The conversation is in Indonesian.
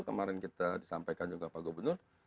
kemarin kita disampaikan juga pak gubernur